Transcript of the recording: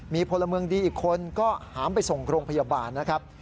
มีพลเมืองดีอีกคนก็หามไปส่งโรงพยาบาลนะครับ